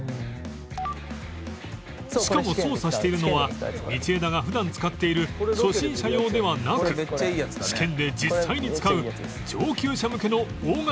しかも操作しているのは道枝が普段使っている初心者用ではなく試験で実際に使う上級者向けの大型ドローン